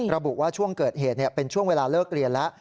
ระบุว่าช่วงเกิดเหตุเป็นช่วงเวลาเลิกเรียนแล้ว